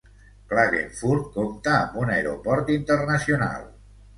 Klagenfurt compta amb un aeroport internacional.